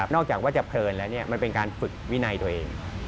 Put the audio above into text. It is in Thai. อกจากว่าจะเพลินแล้วมันเป็นการฝึกวินัยตัวเอง